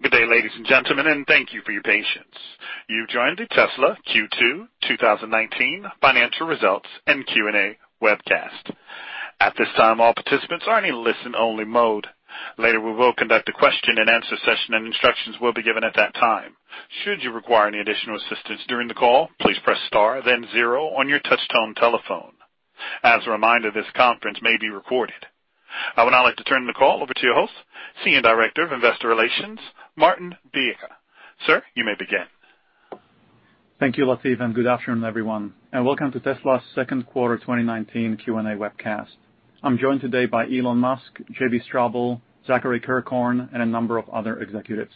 Good day, ladies and gentlemen. Thank you for your patience. You've joined the Tesla Q2 2019 financial results and Q&A webcast. At this time, all participants are in a listen only mode. Later, we will conduct a question and answer session, and instructions will be given at that time. Should you require any additional assistance during the call, please press star then zero on your touchtone telephone. As a reminder, this conference may be recorded. I would now like to turn the call over to your host, Senior Director of Investor Relations, Martin Viecha. Sir, you may begin. Thank you, Lateef. Good afternoon, everyone, and welcome to Tesla's second quarter 2019 Q&A webcast. I'm joined today by Elon Musk, JB Straubel, Zachary Kirkhorn, and a number of other executives.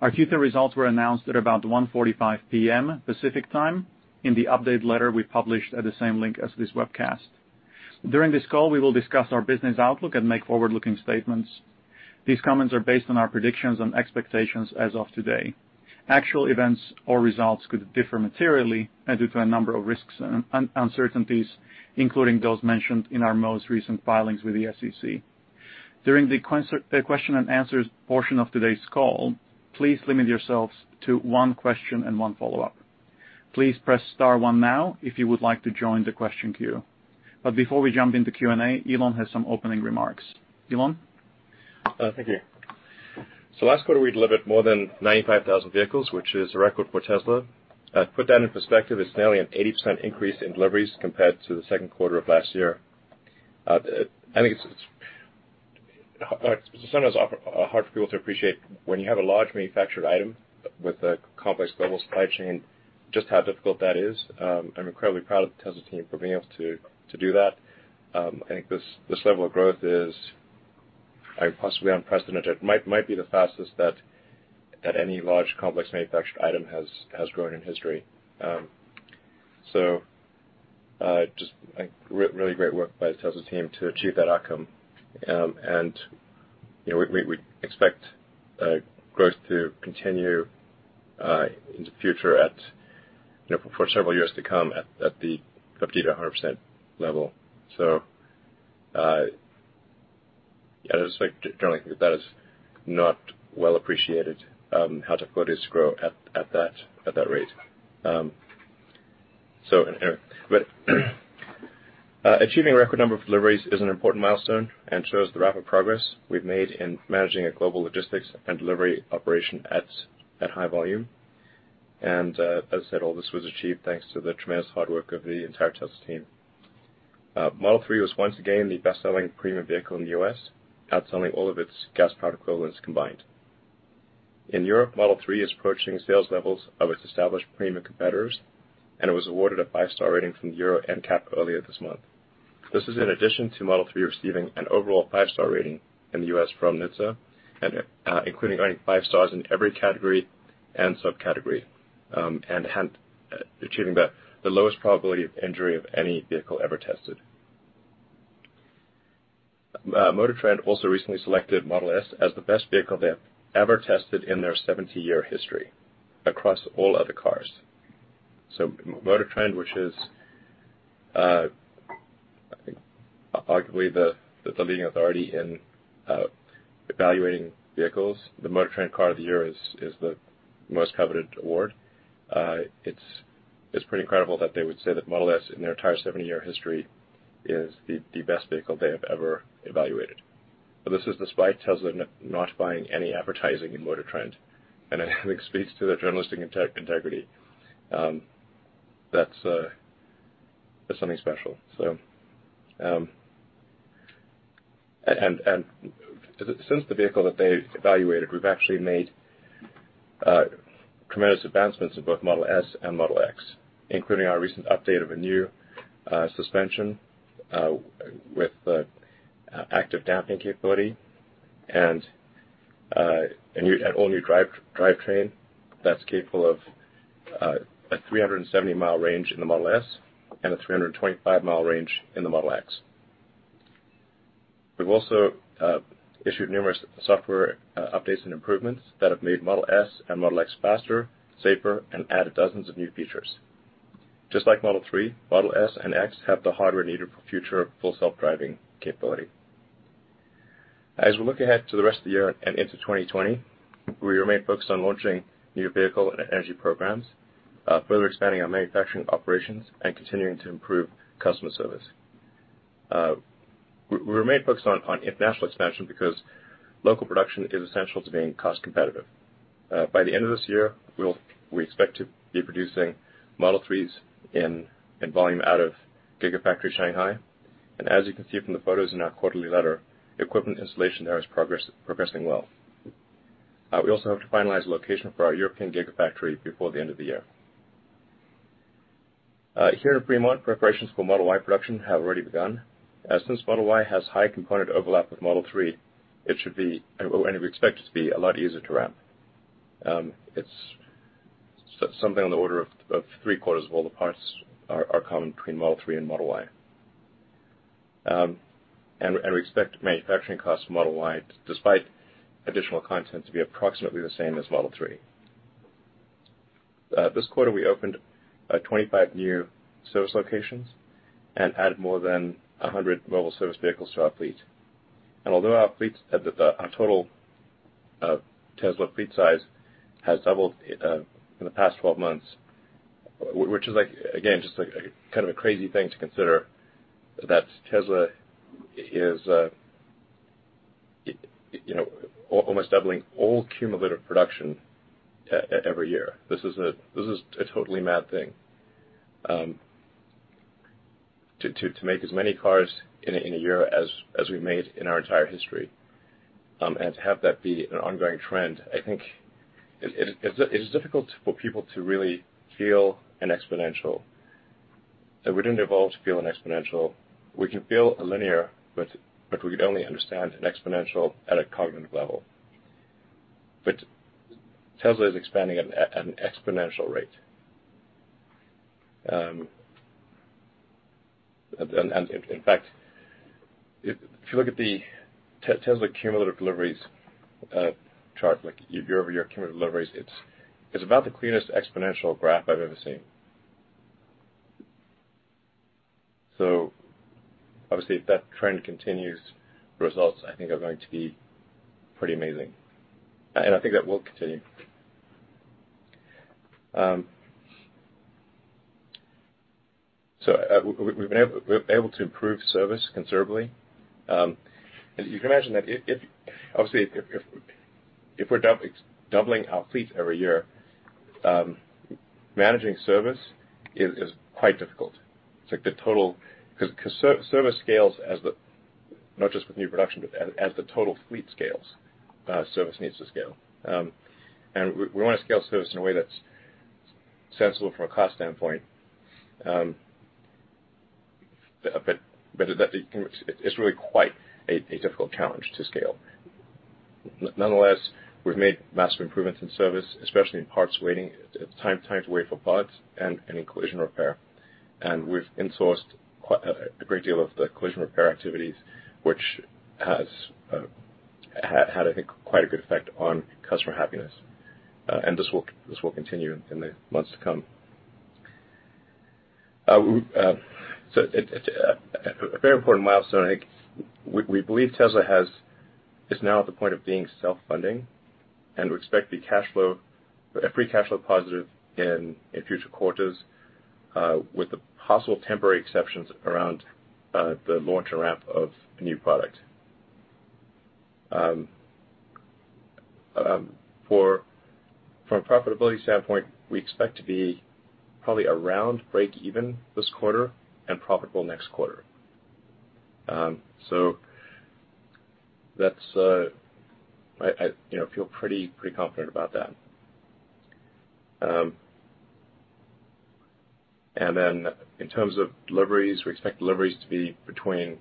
Our Q2 results were announced at about 1:45 P.M. Pacific Time in the update letter we published at the same link as this webcast. During this call, we will discuss our business outlook and make forward-looking statements. These comments are based on our predictions and expectations as of today. Actual events or results could differ materially and due to a number of risks and uncertainties, including those mentioned in our most recent filings with the SEC. During the question and answers portion of today's call, please limit yourselves to one question and one follow-up. Please press star one now if you would like to join the question queue. Before we jump into Q&A, Elon has some opening remarks. Elon? Thank you. Last quarter, we delivered more than 95,000 vehicles, which is a record for Tesla. To put that in perspective, it's nearly an 80% increase in deliveries compared to the second quarter of last year. I think it's sometimes hard for people to appreciate when you have a large manufactured item with a complex global supply chain, just how difficult that is. I'm incredibly proud of the Tesla team for being able to do that. I think this level of growth is possibly unprecedented. Might be the fastest that any large, complex manufactured item has grown in history. Just really great work by the Tesla team to achieve that outcome. We expect growth to continue in the future for several years to come up to 100% level. I just generally think that is not well appreciated how difficult it is to grow at that rate. Achieving a record number of deliveries is an important milestone and shows the rapid progress we've made in managing a global logistics and delivery operation at high volume. As I said, all this was achieved thanks to the tremendous hard work of the entire Tesla team. Model 3 was once again the best-selling premium vehicle in the U.S., outselling all of its gas powered equivalents combined. In Europe, Model 3 is approaching sales levels of its established premium competitors and was awarded a five-star rating from Euro NCAP earlier this month. This is in addition to Model 3 receiving an overall five-star rating in the U.S. from NHTSA, including earning 5 stars in every category and subcategory, and achieving the lowest probability of injury of any vehicle ever tested. MotorTrend also recently selected Model S as the best vehicle they have ever tested in their 70-year history across all other cars. MotorTrend, which is, I think, arguably the leading authority in evaluating vehicles. The MotorTrend Car of the Year is the most coveted award. It's pretty incredible that they would say that Model S, in their entire 70-year history, is the best vehicle they have ever evaluated. This is despite Tesla not buying any advertising in MotorTrend, and I think speaks to the journalistic integrity. That's something special. Since the vehicle that they evaluated, we've actually made tremendous advancements in both Model S and Model X, including our recent update of a new suspension with active damping capability and all-new drivetrain that's capable of a 370-mile range in the Model S and a 325-mile range in the Model X. We've also issued numerous software updates and improvements that have made Model S and Model X faster, safer, and added dozens of new features. Just like Model 3, Model S and X have the hardware needed for future Full Self-Driving capability. As we look ahead to the rest of the year and into 2020, we remain focused on launching new vehicle and energy programs, further expanding our manufacturing operations, and continuing to improve customer service. We remain focused on international expansion because local production is essential to being cost competitive. By the end of this year, we expect to be producing Model 3s in volume out of Gigafactory Shanghai. As you can see from the photos in our quarterly letter, equipment installation there is progressing well. We also hope to finalize the location for our European Gigafactory before the end of the year. Here in Fremont, preparations for Model Y production have already begun. Model Y has high component overlap with Model 3, and we expect it to be a lot easier to ramp. Something on the order of three-quarters of all the parts are common between Model 3 and Model Y. We expect manufacturing costs for Model Y, despite additional content, to be approximately the same as Model 3. This quarter, we opened 25 new service locations and added more than 100 mobile service vehicles to our fleet. Although our total Tesla fleet size has doubled in the past 12 months, which is, again, just a crazy thing to consider, that Tesla is almost doubling all cumulative production every year. This is a totally mad thing. To make as many cars in a year as we've made in our entire history, and to have that be an ongoing trend, I think it is difficult for people to really feel an exponential. We didn't evolve to feel an exponential. We can feel a linear, we could only understand an exponential at a cognitive level. Tesla is expanding at an exponential rate. In fact, if you look at the Tesla cumulative deliveries chart, year-over-year cumulative deliveries, it's about the cleanest exponential graph I've ever seen. Obviously, if that trend continues, the results, I think, are going to be pretty amazing. I think that will continue. We've been able to improve service considerably. You can imagine that, obviously, if we're doubling our fleet every year, managing service is quite difficult. Service scales, not just with new production, but as the total fleet scales, service needs to scale. We want to scale service in a way that's sensible from a cost standpoint. It's really quite a difficult challenge to scale. Nonetheless, we've made massive improvements in service, especially in parts waiting, time to wait for parts, and in collision repair. We've insourced a great deal of the collision repair activities, which has had, I think, quite a good effect on customer happiness. This will continue in the months to come. A very important milestone, I think, we believe Tesla is now at the point of being self-funding and we expect free cash flow positive in future quarters with the possible temporary exceptions around the launch and ramp of a new product. From a profitability standpoint, we expect to be probably around break even this quarter and profitable next quarter. I feel pretty confident about that. In terms of deliveries, we expect deliveries to be between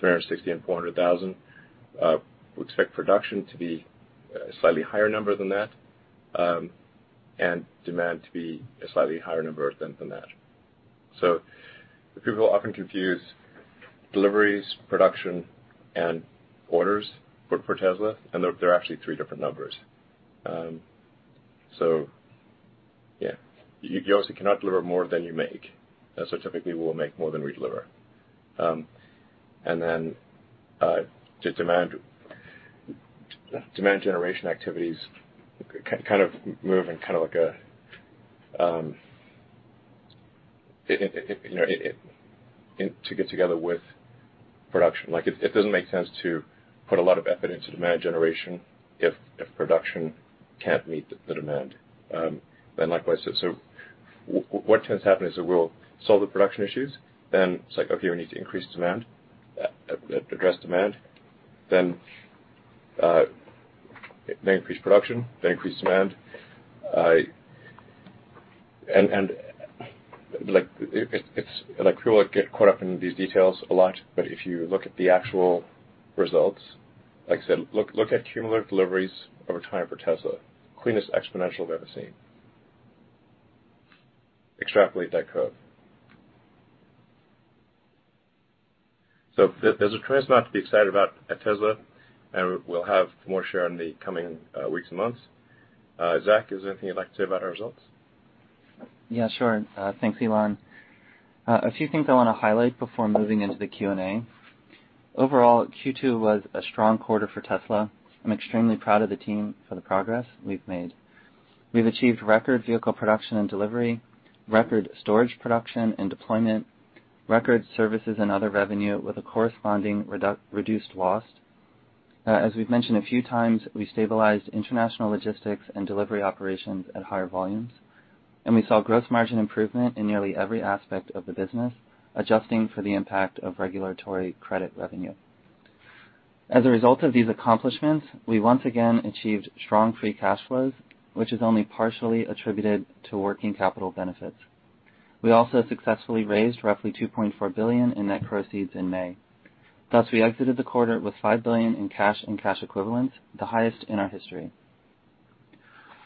360,000 and 400,000. We expect production to be a slightly higher number than that and demand to be a slightly higher number than that. People often confuse deliveries, production, and orders for Tesla, and they're actually three different numbers. Yeah. You obviously cannot deliver more than you make. Typically, we'll make more than we deliver. The demand generation activities move in, to get together with production. It doesn't make sense to put a lot of effort into demand generation if production can't meet the demand. Likewise, what tends to happen is that we'll solve the production issues, then it's like, okay, we need to address demand. Increase production, then increase demand. It's like we get caught up in these details a lot, but if you look at the actual results, like I said, look at cumulative deliveries over time for Tesla. Cleanest exponential I've ever seen. Extrapolate that curve. There's a tremendous amount to be excited about at Tesla, and we'll have more to share in the coming weeks and months. Zach, is there anything you'd like to say about our results? Yeah, sure. Thanks, Elon. A few things I want to highlight before moving into the Q&A. Overall, Q2 was a strong quarter for Tesla. I'm extremely proud of the team for the progress we've made. We've achieved record vehicle production and delivery, record storage production and deployment, record services and other revenue with a corresponding reduced loss. As we've mentioned a few times, we stabilized international logistics and delivery operations at higher volumes, and we saw gross margin improvement in nearly every aspect of the business, adjusting for the impact of regulatory credit revenue. As a result of these accomplishments, we once again achieved strong free cash flows, which is only partially attributed to working capital benefits. We also successfully raised roughly $2.4 billion in net proceeds in May. Thus, we exited the quarter with $5 billion in cash and cash equivalents, the highest in our history.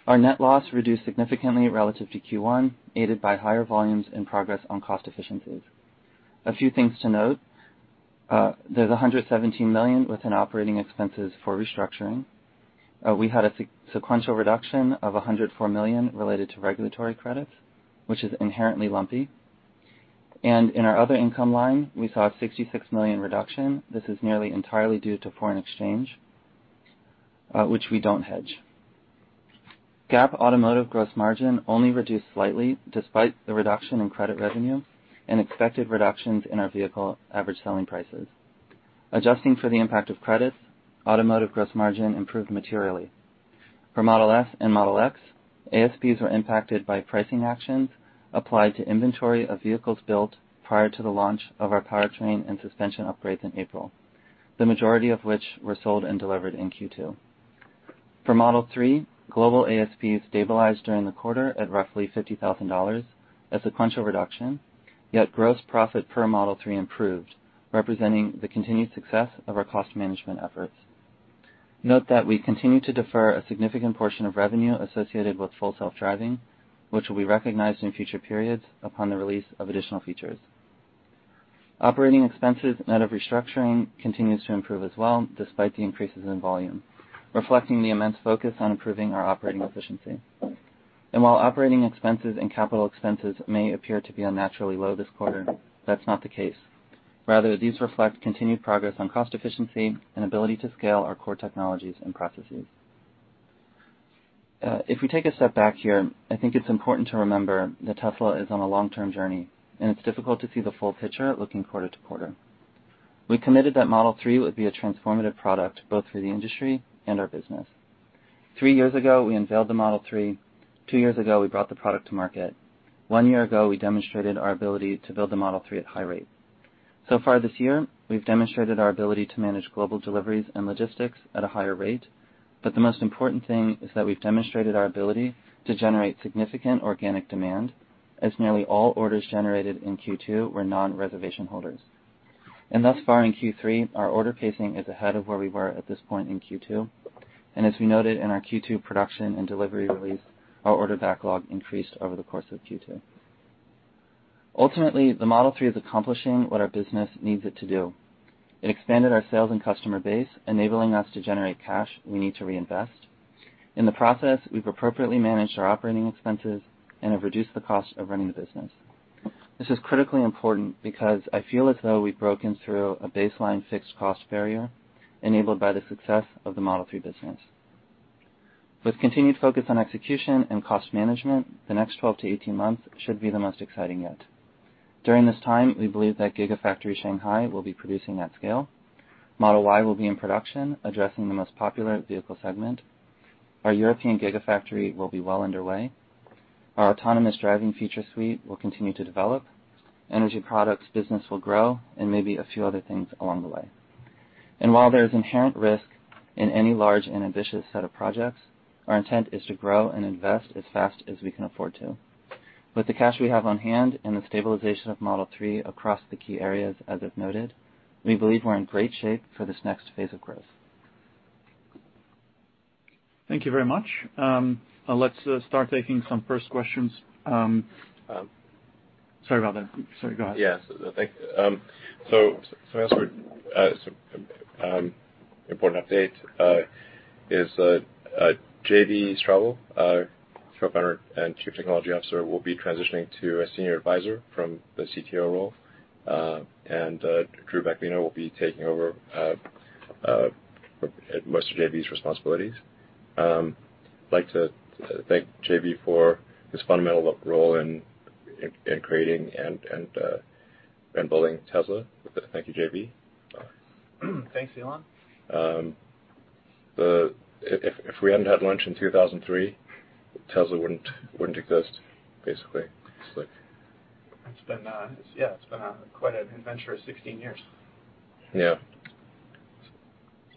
Our net loss reduced significantly relative to Q1, aided by higher volumes and progress on cost efficiencies. A few things to note. There's $117 million within operating expenses for restructuring. We had a sequential reduction of $104 million related to regulatory credits, which is inherently lumpy. In our other income line, we saw a $66 million reduction. This is nearly entirely due to foreign exchange, which we don't hedge. GAAP automotive gross margin only reduced slightly despite the reduction in credit revenue and expected reductions in our vehicle average selling prices. Adjusting for the impact of credits, automotive gross margin improved materially. For Model S and Model X, ASPs were impacted by pricing actions applied to inventory of vehicles built prior to the launch of our powertrain and suspension upgrades in April, the majority of which were sold and delivered in Q2. For Model 3, global ASP stabilized during the quarter at roughly $50,000, a sequential reduction, yet gross profit per Model 3 improved, representing the continued success of our cost management efforts. Note that we continue to defer a significant portion of revenue associated with Full Self-Driving, which will be recognized in future periods upon the release of additional features. Operating expenses net of restructuring continues to improve as well, despite the increases in volume, reflecting the immense focus on improving our operating efficiency. While operating expenses and capital expenses may appear to be unnaturally low this quarter, that's not the case. Rather, these reflect continued progress on cost efficiency and ability to scale our core technologies and processes. If we take a step back here, I think it's important to remember that Tesla is on a long-term journey, and it's difficult to see the full picture looking quarter to quarter. We committed that Model 3 would be a transformative product both for the industry and our business. Three years ago, we unveiled the Model 3. Two years ago, we brought the product to market. One year ago, we demonstrated our ability to build the Model 3 at high rate. Far this year, we've demonstrated our ability to manage global deliveries and logistics at a higher rate. The most important thing is that we've demonstrated our ability to generate significant organic demand, as nearly all orders generated in Q2 were non-reservation holders. Thus far in Q3, our order pacing is ahead of where we were at this point in Q2. As we noted in our Q2 production and delivery release, our order backlog increased over the course of Q2. Ultimately, the Model 3 is accomplishing what our business needs it to do. It expanded our sales and customer base, enabling us to generate cash we need to reinvest. In the process, we've appropriately managed our operating expenses and have reduced the cost of running the business. This is critically important because I feel as though we've broken through a baseline fixed cost barrier enabled by the success of the Model 3 business. With continued focus on execution and cost management, the next 12-18 months should be the most exciting yet. During this time, we believe that Gigafactory Shanghai will be producing at scale. Model Y will be in production, addressing the most popular vehicle segment. Our European Gigafactory will be well underway. Our autonomous driving feature suite will continue to develop. Energy products business will grow, and maybe a few other things along the way. While there is inherent risk in any large and ambitious set of projects, our intent is to grow and invest as fast as we can afford to. With the cash we have on hand and the stabilization of Model 3 across the key areas, as I've noted, we believe we're in great shape for this next phase of growth. Thank you very much. Let's start taking some first questions. Sorry about that. Sorry, go ahead. Yeah. Important update is that JB Straubel, co-founder and Chief Technology Officer, will be transitioning to a Senior Advisor from the CTO role. Drew Baglino will be taking over most of JB's responsibilities. Like to thank JB for his fundamental role in creating and building Tesla. Thank you, JB. Thanks, Elon. If we hadn't had lunch in 2003, Tesla wouldn't exist, basically. Yeah, it's been quite an adventurous 16 years. Yeah.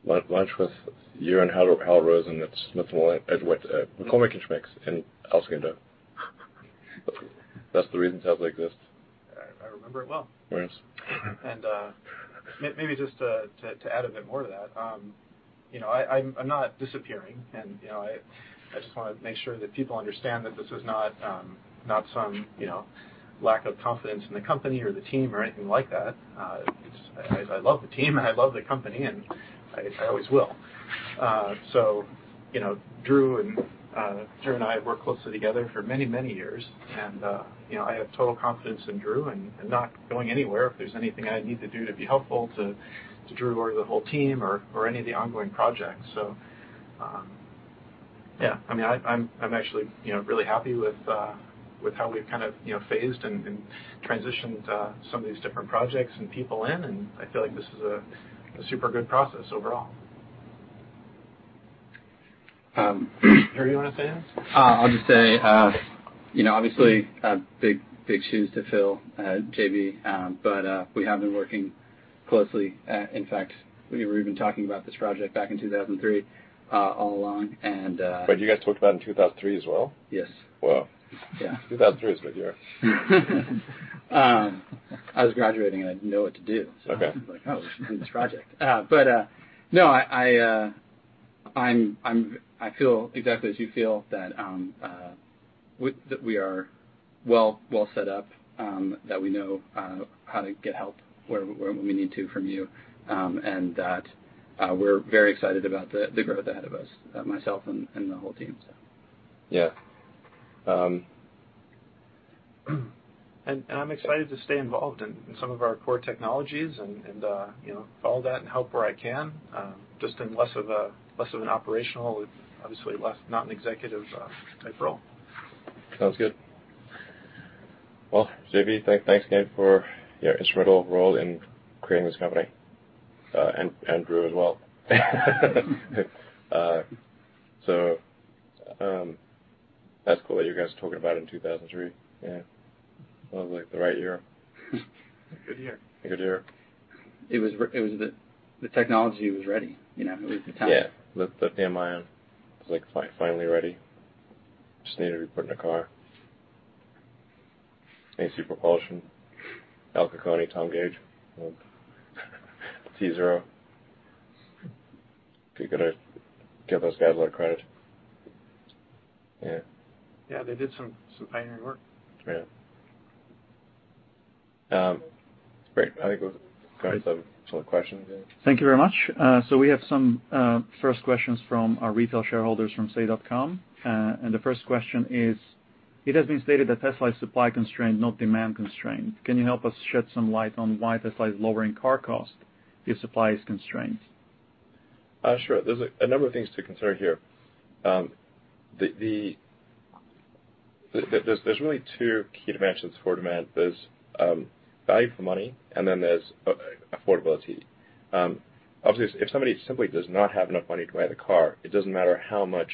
Lunch with you and Hal Rosen at McCormick & Schmick's in El Segundo. That's the reason Tesla exists. I remember it well. Yes. Maybe just to add a bit more to that, I'm not disappearing and I just want to make sure that people understand that this is not some lack of confidence in the company or the team or anything like that. I love the team, and I love the company, and I always will. Drew and I have worked closely together for many, many years, and I have total confidence in Drew and I'm not going anywhere if there's anything I need to do to be helpful to Drew or the whole team or any of the ongoing projects. Yeah. I'm actually really happy with how we've phased and transitioned some of these different projects and people in, and I feel like this is a super good process overall. Drew, you want to say anything? I'll just say, obviously, big shoes to fill, JB. We have been working closely. In fact, we were even talking about this project back in 2003. Wait, you guys talked about it in 2003 as well? Yes. Whoa. Yeah. 2003 was a good year. I was graduating, and I didn't know what to do. Okay. I was like, "Oh, we should do this project." No, I feel exactly as you feel that we are well set up, that we know how to get help where we need to from you, and that we're very excited about the growth ahead of us, myself and the whole team. Yeah. I'm excited to stay involved in some of our core technologies and all that, and help where I can, just in less of an operational, obviously not an executive type role. Sounds good. Well, JB, thanks again for your instrumental role in creating this company. Drew as well. That's cool that you guys were talking about it in 2003. Yeah. That was the right year. A good year. A good year. The technology was ready. It was the time. Yeah. The ACIM was finally ready. Just needed to be put in a car. AC Propulsion. Al Cocconi, Tom Gage, tZero. Got to give those guys a lot of credit. Yeah. Yeah, they did some pioneering work. Yeah. Great. I think we've got some questions in. Thank you very much. We have some first questions from our retail shareholders from say.com. The first question is, "It has been stated that Tesla is supply constrained, not demand constrained. Can you help us shed some light on why Tesla is lowering car cost if supply is constrained? Sure. There's a number of things to consider here. There's really two key dimensions for demand. There's value for money and then there's affordability. Obviously, if somebody simply does not have enough money to buy the car, it doesn't matter how good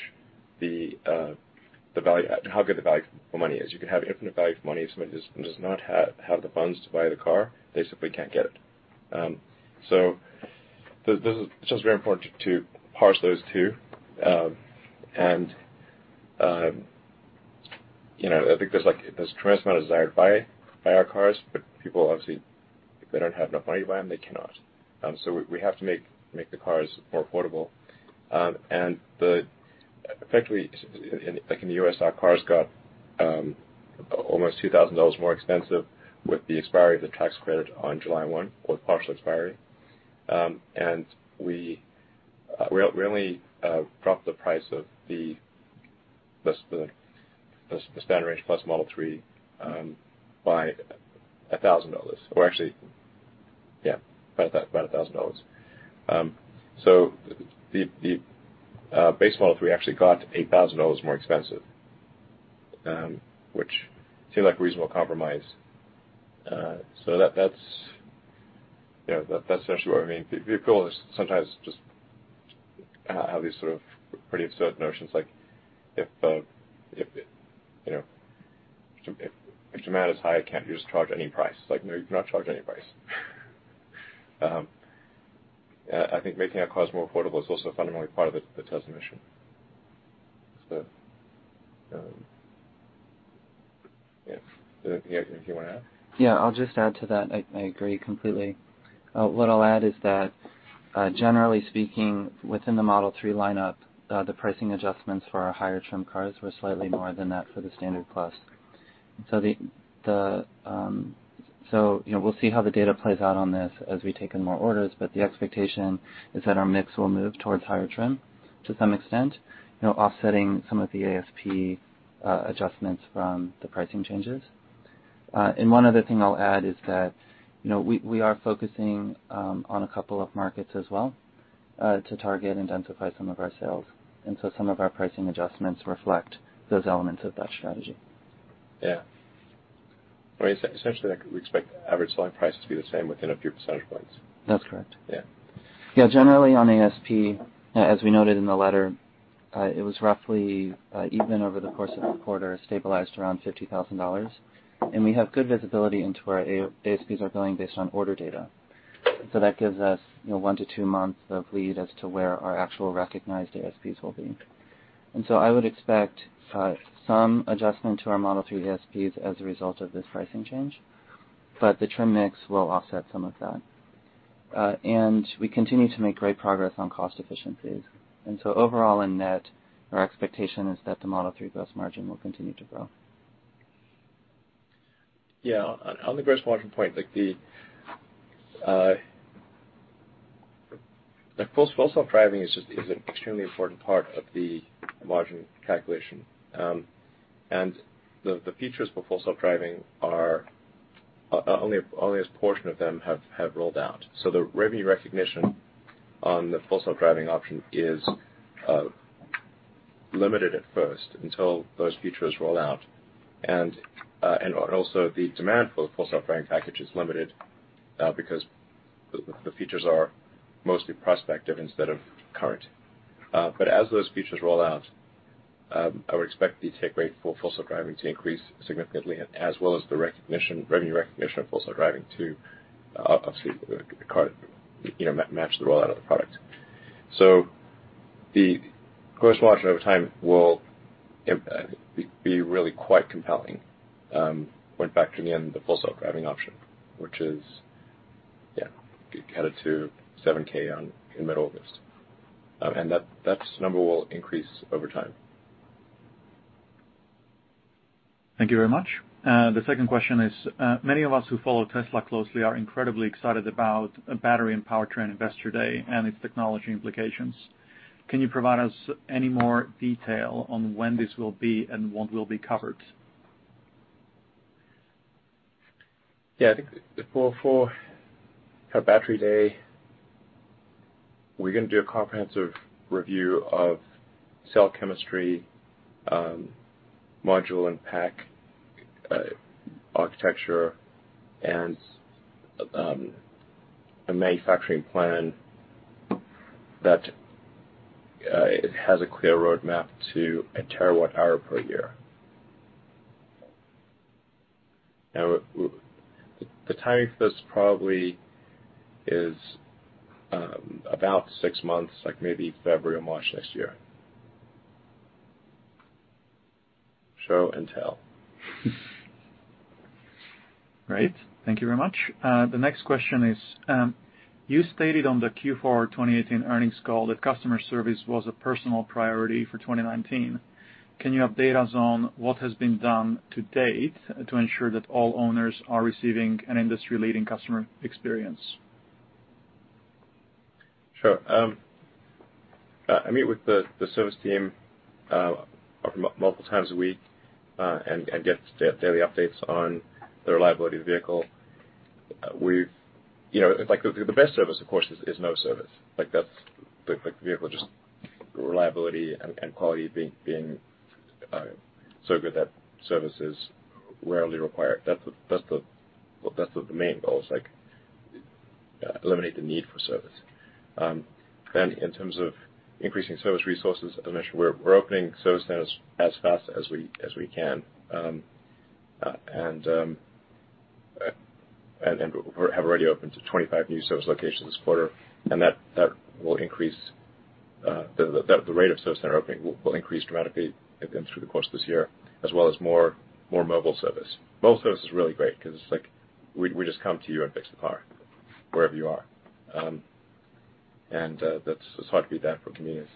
the value for money is. You can have infinite value for money, if somebody just does not have the funds to buy the car, they simply can't get it. It's just very important to parse those two. I think there's a tremendous amount of desire to buy our cars, but people, obviously, if they don't have enough money to buy them, they cannot. We have to make the cars more affordable. Effectively, like in the U.S., our cars got almost $2,000 more expensive with the expiry of the tax credit on July 1, or partial expiry. We only dropped the price of the Standard Range Plus Model 3 by $1,000. Actually, yeah, about $1,000. The base Model 3 actually got $8,000 more expensive, which seemed like a reasonable compromise. That's actually what I mean. People sometimes just have these sort of pretty absurd notions, like if demand is high, can't you just charge any price? No, you cannot charge any price. I think making our cars more affordable is also a fundamental part of the Tesla mission. Yeah. Do you have anything you want to add? I'll just add to that. I agree completely. What I'll add is that generally speaking, within the Model 3 lineup, the pricing adjustments for our higher trim cars were slightly more than that for the standard plus. We'll see how the data plays out on this as we take in more orders, but the expectation is that our mix will move towards higher trim to some extent, offsetting some of the ASP adjustments from the pricing changes. One other thing I'll add is that we are focusing on a couple of markets as well to target and densify some of our sales. Some of our pricing adjustments reflect those elements of that strategy. Yeah. Essentially, we expect average selling price to be the same within a few percentage points. That's correct. Yeah. Yeah, generally on ASP, as we noted in the letter, it was roughly even over the course of the quarter, stabilized around $50,000. We have good visibility into where our ASPs are going based on order data. That gives us 1 to 2 months of lead as to where our actual recognized ASPs will be. I would expect some adjustment to our Model 3 ASPs as a result of this pricing change, but the trim mix will offset some of that. We continue to make great progress on cost efficiencies. Overall in net, our expectation is that the Model 3 gross margin will continue to grow. Yeah. On the gross margin point, Full Self-Driving is an extremely important part of the margin calculation. The features for Full Self-Driving, only a portion of them have rolled out. The revenue recognition on the Full Self-Driving option is limited at first until those features roll out. Also the demand for the Full Self-Driving package is limited because the features are mostly prospective instead of current. As those features roll out, I would expect the take rate for Full Self-Driving to increase significantly as well as the revenue recognition of Full Self-Driving to obviously match the rollout of the product. The gross margin over time will be really quite compelling when factoring in the Full Self-Driving option. Headed to $7,000 in the middle of this. That number will increase over time. Thank you very much. The second question is, many of us who follow Tesla closely are incredibly excited about a battery and powertrain investor day and its technology implications. Can you provide us any more detail on when this will be and what will be covered? Yeah, I think for our Battery Day, we're going to do a comprehensive review of cell chemistry, module and pack architecture, and a manufacturing plan that has a clear roadmap to a terawatt-hour per year. The timing for this probably is about six months, like maybe February or March next year. Show and tell. Great. Thank you very much. The next question is, you stated on the Q4 2018 earnings call that customer service was a personal priority for 2019. Can you update us on what has been done to date to ensure that all owners are receiving an industry-leading customer experience? Sure. I meet with the service team multiple times a week and get daily updates on the reliability of the vehicle. The best service, of course, is no service. The vehicle just reliability and quality being so good that service is rarely required. That's the main goal is eliminate the need for service. In terms of increasing service resources, we're opening service centers as fast as we can. We have already opened 25 new service locations this quarter, and the rate of service center opening will increase dramatically through the course of this year, as well as more mobile service. Mobile service is really great because we just come to you and fix the car wherever you are. That's hard to beat that for convenience.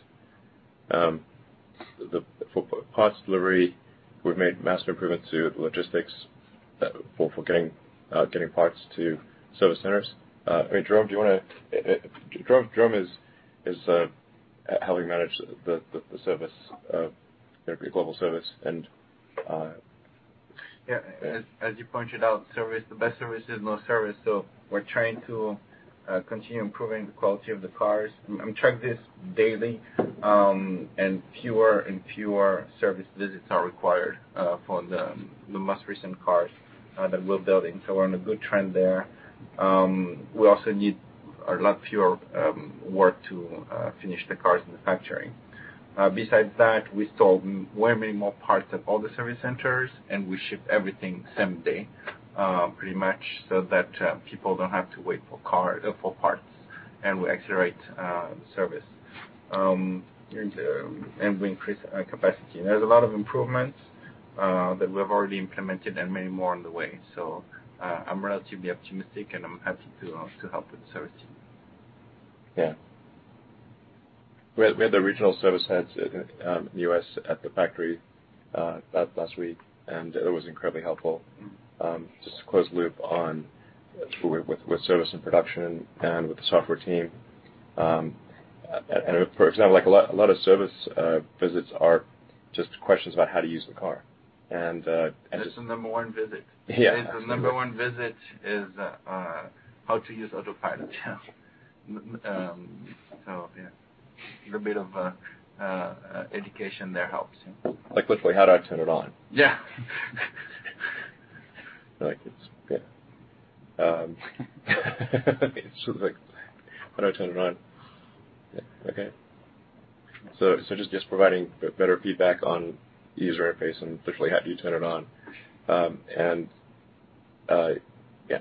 For parts delivery, we've made massive improvements to logistics for getting parts to service centers. Jerome is helping manage the service, global service and. As you pointed out, the best service is no service. We're trying to continue improving the quality of the cars. We track this daily, fewer and fewer service visits are required for the most recent cars that we're building. We're on a good trend there. We also need a lot fewer work to finish the cars in the factory. Besides that, we stock way many more parts at all the service centers, and we ship everything same day pretty much so that people don't have to wait for parts, and we accelerate service. We increase capacity. There's a lot of improvements that we've already implemented and many more on the way. I'm relatively optimistic, and I'm happy to help with the service team. Yeah. We had the regional service heads in the U.S. at the factory last week. It was incredibly helpful. Just to close the loop on with service and production and with the software team. For example, a lot of service visits are just questions about how to use the car. That's the number 1 visit. Yeah. The number one visit is how to use Autopilot. Yeah. A little bit of education there helps. Like literally, how do I turn it on? Yeah. Like it's, yeah. How do I turn it on? Yeah. Okay. Just providing better feedback on the user interface and literally how do you turn it on. Yeah.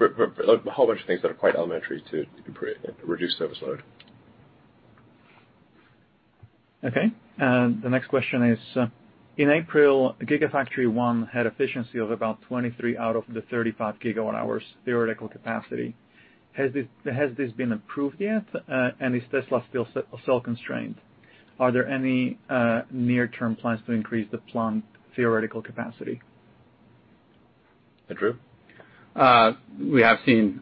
A whole bunch of things that are quite elementary to reduce service load. Okay. The next question is, in April, Gigafactory 1 had efficiency of about 23 out of the 35 GWh theoretical capacity. Has this been improved yet? Is Tesla still cell constrained? Are there any near-term plans to increase the planned theoretical capacity? Andrew? We have seen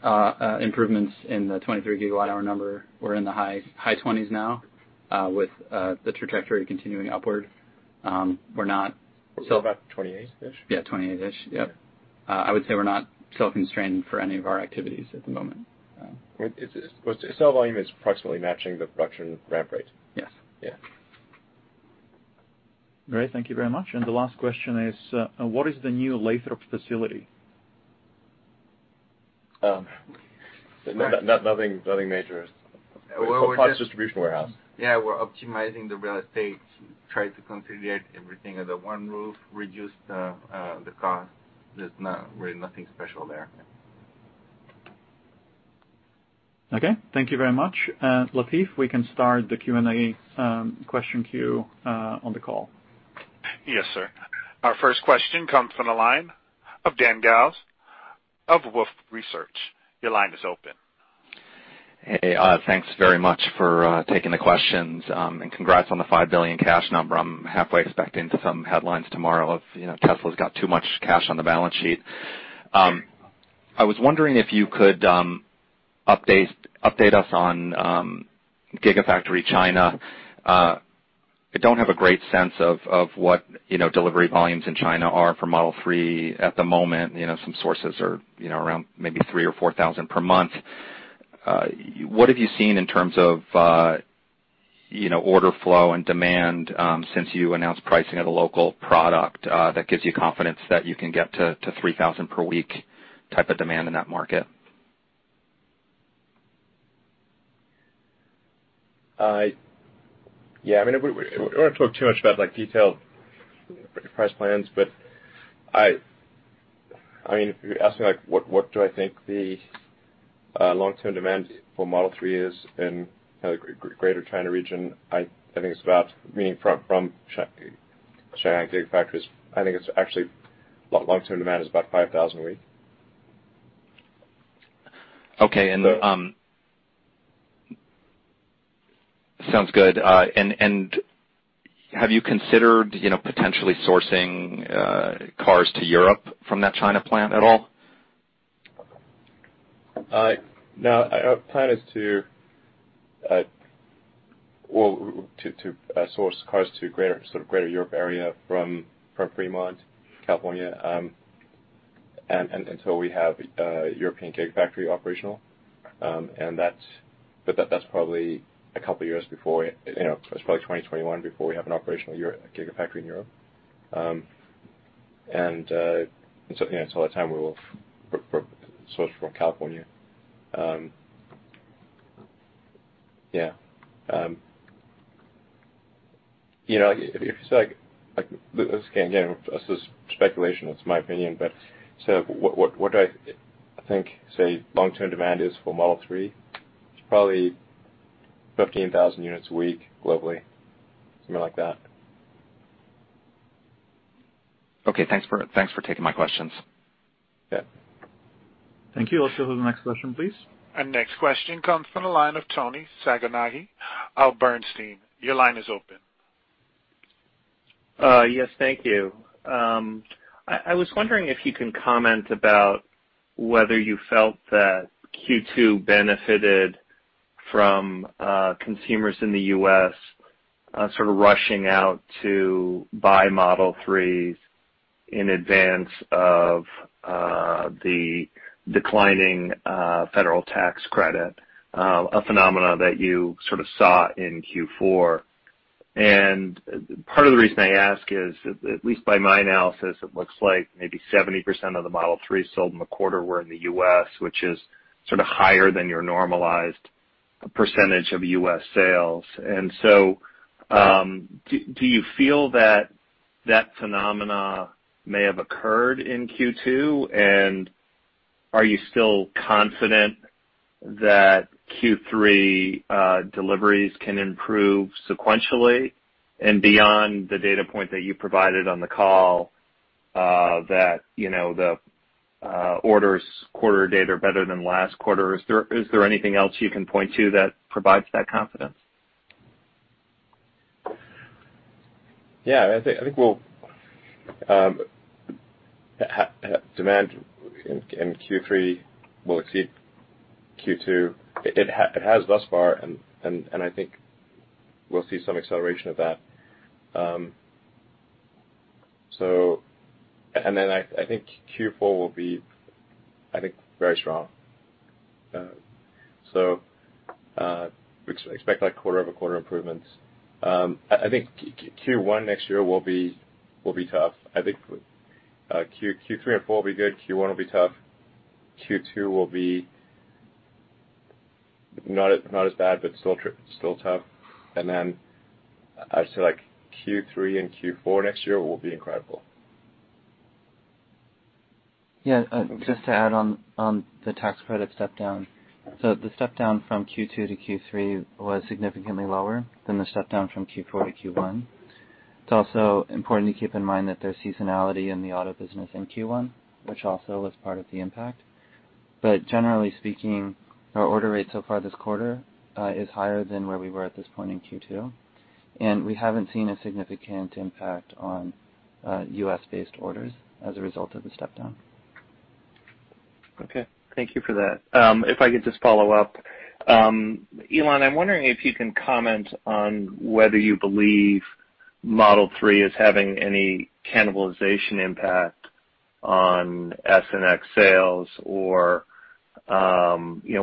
improvements in the 23 gigawatt hour number. We're in the high 20s now, with the trajectory continuing upward. We're about 28-ish. Yeah, 28-ish. Yep. I would say we're not cell constrained for any of our activities at the moment. Cell volume is approximately matching the production ramp rate. Yes. Yeah. Great. Thank you very much. The last question is, what is the new Lathrop facility? Nothing major. Parts distribution warehouse. Yeah, we're optimizing the real estate to try to consolidate everything under one roof, reduce the cost. There's really nothing special there. Okay. Thank you very much. Latif, we can start the Q&A question queue on the call. Yes, sir. Our first question comes from the line of Dan Galves of Wolfe Research. Your line is open. Hey. Thanks very much for taking the questions. Congrats on the $5 billion cash number. I'm halfway expecting some headlines tomorrow of, Tesla's got too much cash on the balance sheet. I was wondering if you could update us on Gigafactory China. I don't have a great sense of what delivery volumes in China are for Model 3 at the moment. Some sources are around maybe 3,000 or 4,000 per month. What have you seen in terms of order flow and demand since you announced pricing of the local product that gives you confidence that you can get to 3,000 per week type of demand in that market? Yeah. If you ask me what do I think the long-term demand for Model 3 is in the greater China region, from Shanghai Gigafactory, I think its long-term demand is about 5,000 a week. Okay. Sounds good. Have you considered potentially sourcing cars to Europe from that China plant at all? No. Our plan is to source cars to greater Europe area from Fremont, California, until we have European Gigafactory operational. That's probably a couple of years, it's probably 2021, before we have an operational Gigafactory in Europe. Until that time, we will source from California. Yeah. Again, this is speculation, it's my opinion, but what do I think, say, long-term demand is for Model 3? It's probably 15,000 units a week globally, something like that. Okay. Thanks for taking my questions. Yeah. Thank you. Let's go to the next question, please. Next question comes from the line of Toni Sacconaghi of Bernstein. Your line is open. Yes. Thank you. I was wondering if you can comment about whether you felt that Q2 benefited from consumers in the U.S. sort of rushing out to buy Model 3s in advance of the declining federal tax credit, a phenomena that you sort of saw in Q4. Part of the reason I ask is, at least by my analysis, it looks like maybe 70% of the Model 3s sold in the quarter were in the U.S., which is higher than your normalized percentage of U.S. sales. Do you feel that that phenomena may have occurred in Q2? Are you still confident that Q3 deliveries can improve sequentially and beyond the data point that you provided on the call that the orders quarter date are better than last quarter? Is there anything else you can point to that provides that confidence? I think demand in Q3 will exceed Q2. It has thus far, and I think we'll see some acceleration of that. I think Q4 will be very strong. Expect quarter-over-quarter improvements. I think Q1 next year will be tough. I think Q3 and Q4 will be good, Q1 will be tough. Q2 will be not as bad, but still tough. I'd say Q3 and Q4 next year will be incredible. Yeah. Just to add on the tax credit step down. The step down from Q2 to Q3 was significantly lower than the step down from Q4 to Q1. It's also important to keep in mind that there's seasonality in the auto business in Q1, which also was part of the impact. Generally speaking, our order rate so far this quarter is higher than where we were at this point in Q2, and we haven't seen a significant impact on U.S.-based orders as a result of the step down. Okay. Thank you for that. If I could just follow up. Elon, I'm wondering if you can comment on whether you believe Model 3 is having any cannibalization impact on S and X sales, or why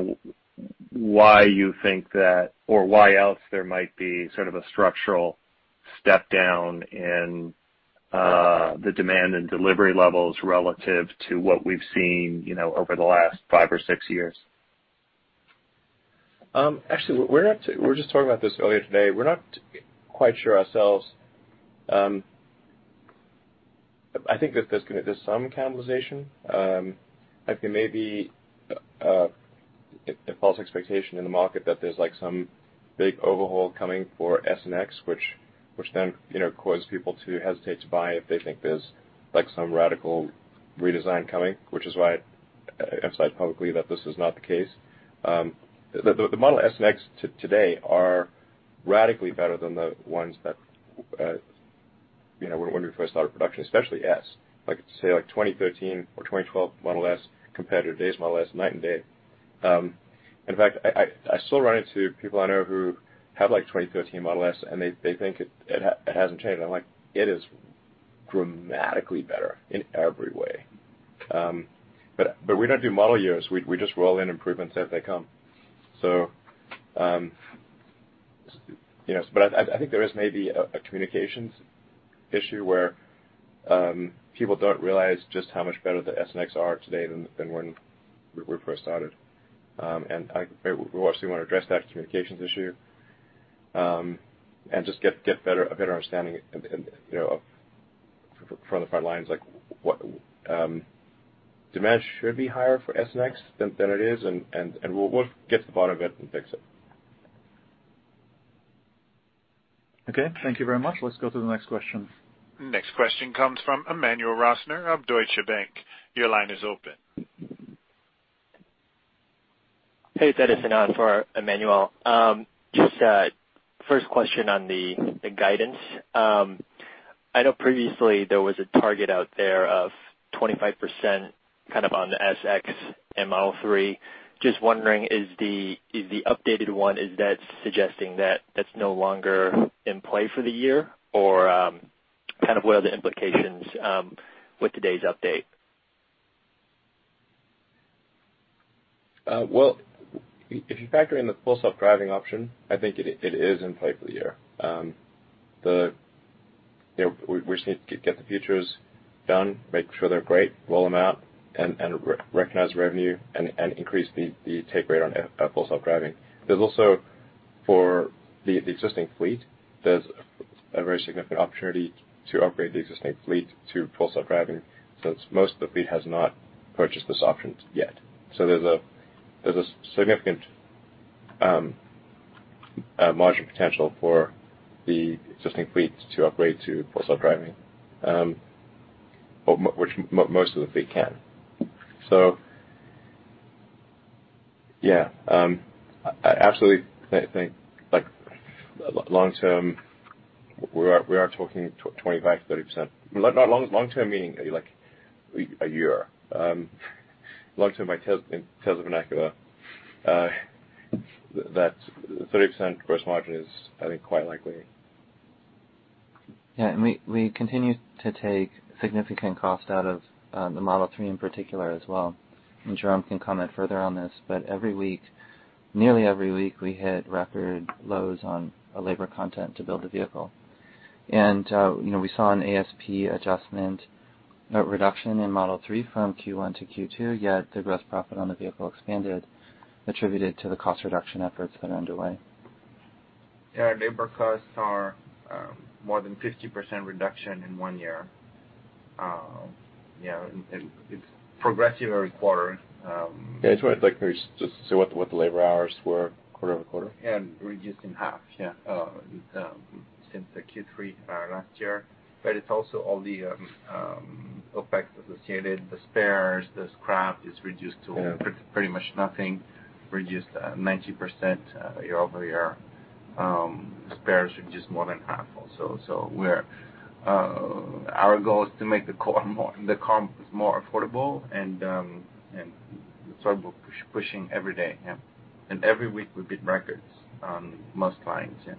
else there might be sort of a structural step down in the demand and delivery levels relative to what we've seen over the last five or six years. Actually, we were just talking about this earlier today. We're not quite sure ourselves. I think that there's some cannibalization. I think maybe a false expectation in the market that there's some big overhaul coming for S and X, which then cause people to hesitate to buy if they think there's some radical redesign coming, which is why I emphasize publicly that this is not the case. The Model S and X today are radically better than the ones that when we first started production, especially S. Say, 2013 or 2012 Model S compared to today's Model S, night and day. In fact, I still run into people I know who have 2013 Model S and they think it hasn't changed. I'm like, "It is dramatically better in every way." We don't do model years. We just roll in improvements as they come. I think there is maybe a communications issue where people don't realize just how much better the S and X are today than when we first started. We obviously want to address that communications issue and just get a better understanding from the front lines, like demand should be higher for S and X than it is, and we'll get to the bottom of it and fix it. Okay, thank you very much. Let's go to the next question. Next question comes from Emmanuel Rosner of Deutsche Bank. Your line is open. Hey, it's Edison on for Emmanuel. Just first question on the guidance. I know previously there was a target out there of 25% on the S, X, and Model 3. Just wondering, is the updated one, is that suggesting that that's no longer in play for the year or what are the implications with today's update? If you factor in the Full Self-Driving option, I think it is in play for the year. We just need to get the features done, make sure they're great, roll them out, and recognize revenue and increase the take rate on Full Self-Driving. There's also, for the existing fleet, there's a very significant opportunity to upgrade the existing fleet to Full Self-Driving since most of the fleet has not purchased this option yet. There's a significant margin potential for the existing fleet to upgrade to Full Self-Driving, which most of the fleet can. Yeah. I absolutely think long term, we are talking 25%-30%. Long term meaning like a year. Long term in Tesla vernacular, that 30% gross margin is, I think, quite likely. Yeah, we continue to take significant cost out of the Model 3 in particular as well. Jerome can comment further on this, but nearly every week, we hit record lows on labor content to build a vehicle. We saw an ASP adjustment reduction in Model 3 from Q1 to Q2, yet the gross profit on the vehicle expanded, attributed to the cost reduction efforts that are underway. Yeah, labor costs are more than 50% reduction in one year. Yeah, it's progressive every quarter. Yeah, it's right. Can you just say what the labor hours were quarter-over-quarter? Yeah, reduced in half. Yeah. Since the Q3 last year. It's also all the effects associated, the spares, the scrap is reduced to pretty much nothing, reduced 90% year-over-year. Spares reduced more than half also. Our goal is to make the car more affordable and so we're pushing every day, yeah. Every week we beat records on most lines, yeah.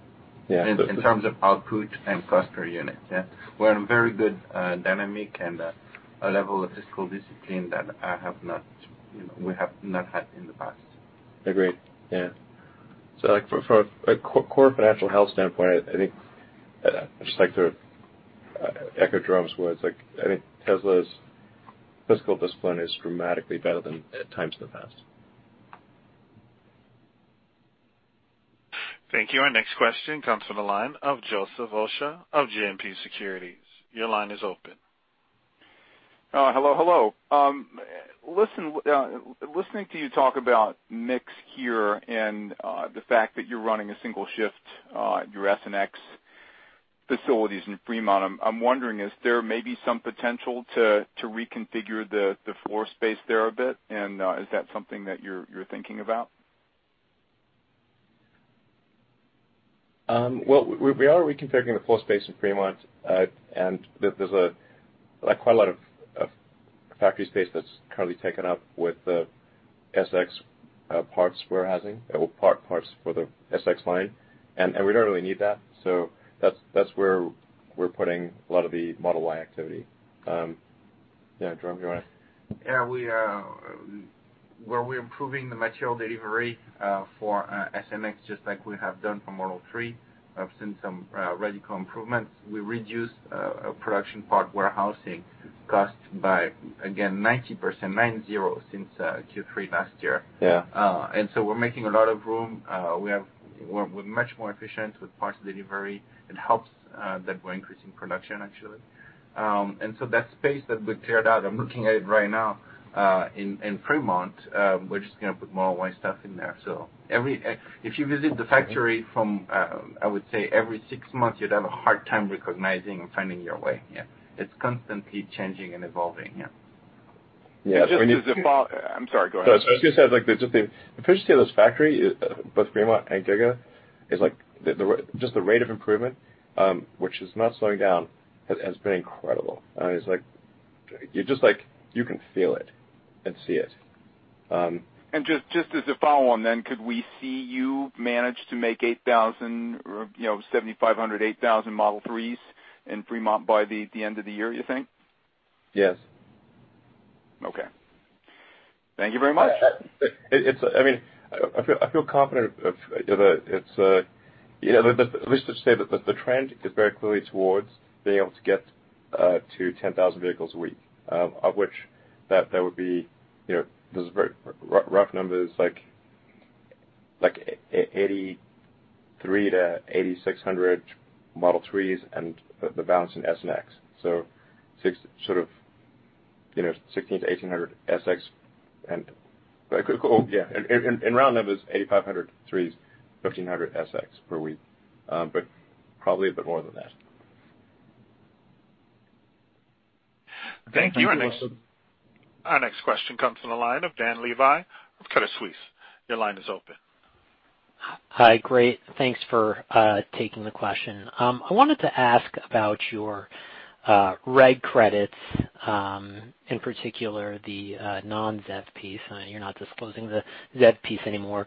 Yeah. In terms of output and cost per unit, yeah. We're in a very good dynamic and a level of fiscal discipline that we have not had in the past. Agreed, yeah. From a core financial health standpoint, I think just to echo Jerome's words, I think Tesla's fiscal discipline is dramatically better than at times in the past. Thank you. Our next question comes from the line of Joseph Osha of JMP Securities. Your line is open. Hello. Listening to you talk about mix here and the fact that you're running a single shift, your S and X facilities in Fremont, I'm wondering, is there maybe some potential to reconfigure the floor space there a bit? Is that something that you're thinking about? Well, we are reconfiguring the floor space in Fremont, and there's quite a lot of factory space that's currently taken up with the S, X parts warehousing, parts for the S, X line. We don't really need that. That's where we're putting a lot of the Model Y activity. Yeah, Jerome, you want to? Yeah, where we're improving the material delivery for S and X, just like we have done for Model 3, I've seen some radical improvements. We reduced production part warehousing costs by, again, 90%, nine zero, since Q3 last year. Yeah. We're making a lot of room. We're much more efficient with parts delivery. It helps that we're increasing production, actually. That space that we've cleared out, I'm looking at it right now, in Fremont, we're just going to put more Y stuff in there. If you visit the factory from, I would say every six months, you'd have a hard time recognizing and finding your way. Yeah. It's constantly changing and evolving. Yeah. Yeah. I'm sorry, go ahead. No, I was going to say, just the efficiency of this factory, both Fremont and Giga, just the rate of improvement, which is not slowing down, has been incredible. You can feel it and see it. Just as a follow on then, could we see you manage to make 8,000 or 7,500, 8,000 Model 3s in Fremont by the end of the year, do you think? Yes. Okay. Thank you very much. I feel confident at least to say that the trend is very clearly towards being able to get to 10,000 vehicles a week, of which that there would be, this is very rough numbers, like 83 to 8,600 Model 3s and the balance in S and X. Sort of 16 to 1,800 SX and round numbers, 8,500 3s, 1,500 SX per week. Probably a bit more than that. Thank you. Our next question comes from the line of Dan Levy of Credit Suisse. Your line is open. Hi. Great. Thanks for taking the question. I wanted to ask about your reg credits, in particular, the non-ZEV piece. You're not disclosing the ZEV piece anymore.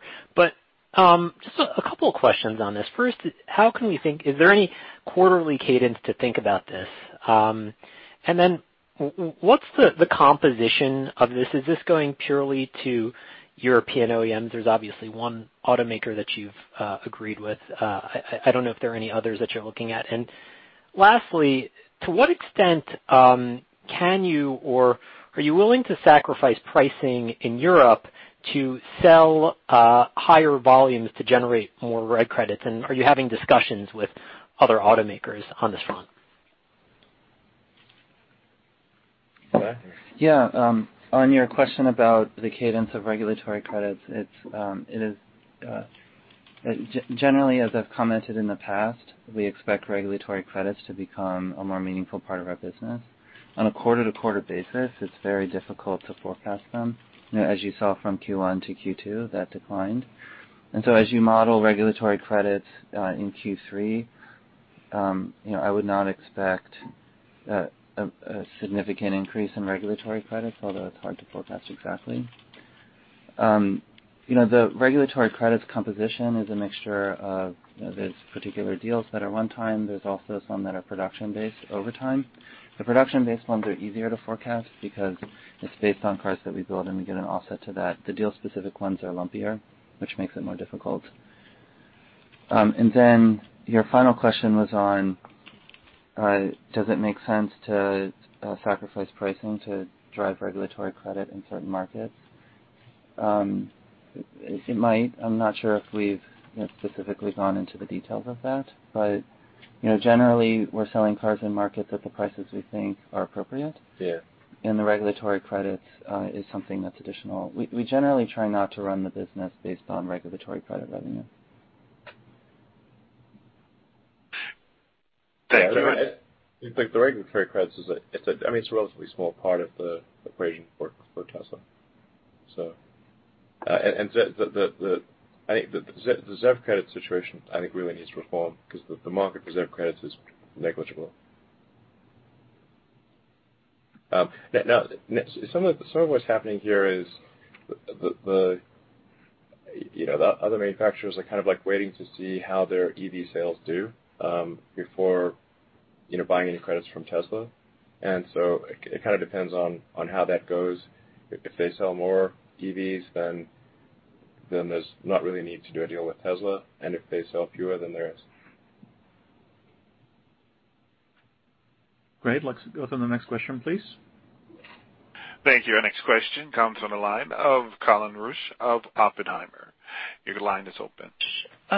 Just a couple of questions on this. First, is there any quarterly cadence to think about this? What's the composition of this? Is this going purely to European OEMs? There's obviously one automaker that you've agreed with. I don't know if there are any others that you're looking at. Lastly, to what extent can you or are you willing to sacrifice pricing in Europe to sell higher volumes to generate more reg credits, and are you having discussions with other automakers on this front? Zach? Yeah. On your question about the cadence of regulatory credits, generally, as I've commented in the past, we expect regulatory credits to become a more meaningful part of our business. On a quarter-to-quarter basis, it's very difficult to forecast them. As you saw from Q1 to Q2, that declined. As you model regulatory credits in Q3, I would not expect a significant increase in regulatory credits, although it's hard to forecast exactly. The regulatory credits composition is a mixture of, there's particular deals that are one-time. There's also some that are production-based over time. The production-based ones are easier to forecast because it's based on cars that we build and we get an offset to that. The deal-specific ones are lumpier, which makes it more difficult. Your final question was on, does it make sense to sacrifice pricing to drive regulatory credit in certain markets? It might. I'm not sure if we've specifically gone into the details of that, but generally, we're selling cars in markets at the prices we think are appropriate. Yeah. The regulatory credits is something that's additional. We generally try not to run the business based on regulatory credit revenue. Thank you. Yeah, I think the regulatory credits is a relatively small part of the equation for Tesla. I think the ZEV credit situation, I think really needs reform because the market for ZEV credits is negligible. Some of what's happening here is the other manufacturers are waiting to see how their EV sales do before buying any credits from Tesla. It depends on how that goes. If they sell more EVs, then there's not really a need to do a deal with Tesla. If they sell fewer, then there is. Great. Let's go to the next question, please. Thank you. Our next question comes on the line of Colin Rusch of Oppenheimer. Your line is open.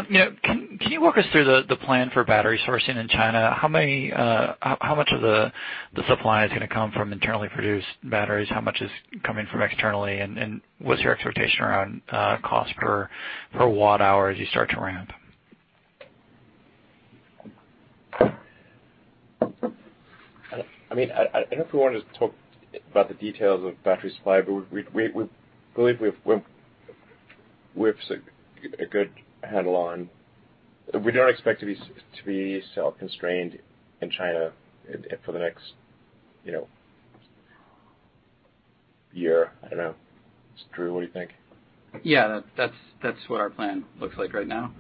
Yeah. Can you walk us through the plan for battery sourcing in China? How much of the supply is going to come from internally produced batteries? How much is coming from externally, and what's your expectation around cost per watt-hour as you start to ramp? I don't know if we want to talk about the details of battery supply, we believe we've a good handle on. We don't expect to be cell constrained in China for the next couple years. I don't know. Drew, what do you think? Yeah, that's what our plan looks like right now.